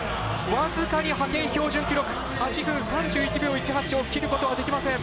僅かに派遣標準記録８分３１秒１８を切ることができません。